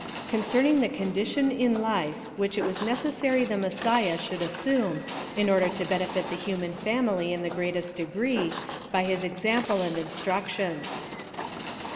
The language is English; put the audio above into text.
C0NCERNIN3 THE CONDITION IN LIFE WHICH IT "WAS NECESSARY THE MESSIAH SHOULD AS SUME, IN ORDER TO BENEFIT THE HUMAN FAM ILY IN THE GREATEST DEGREE, BY HIS EX AMPLE AND INSTRUCTIONS.